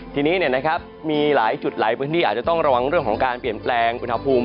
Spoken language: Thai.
ทีนี้มีหลายจุดหลายพื้นที่อาจจะต้องระวังเรื่องของการเปลี่ยนแปลงอุณหภูมิ